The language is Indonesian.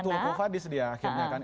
betul khufa disediakan akhirnya kan